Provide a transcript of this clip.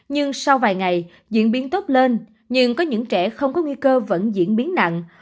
nhưng sau vài ngày diễn biến tốt lên nhưng có những trẻ không có nguy cơ vẫn diễn biến nặng